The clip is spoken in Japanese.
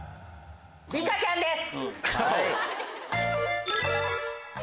リカちゃんです！